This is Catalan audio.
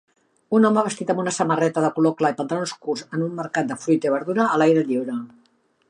Un home vestit amb una samarreta de color clar i pantalons curts en un mercat de fruita i verdures a l'aire lliure.